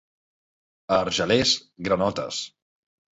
A Argelers, granotes.